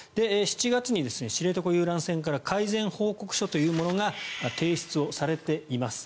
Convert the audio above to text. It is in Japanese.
７月に知床遊覧船から改善報告書というものが提出されています。